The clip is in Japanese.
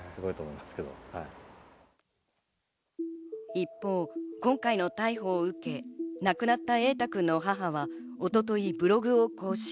一方、今回の逮捕を受け、亡くなった瑛大君の母は一昨日、ブログを更新。